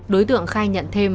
đối tượng khai nhận thêm